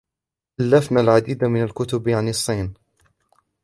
ألفنا العديد من الكتب عن الصين.